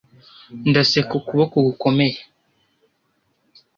ndaseka ukuboko gukomeye